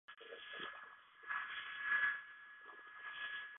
庆云里目前为商用和居住用房。